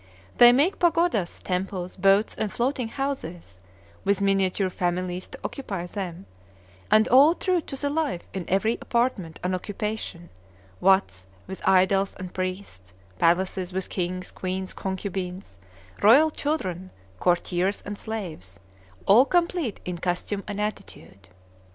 They make pagodas, temples, boats, and floating houses, with miniature families to occupy them, and all true to the life in every apartment and occupation; watts, with idols and priests; palaces, with kings, queens, concubines, royal children, courtiers, and slaves, all complete in costume and attitude.